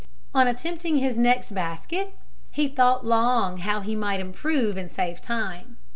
On attempting his next basket, he thought long how he might improve and save time.